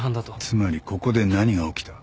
つまりここで何が起きた？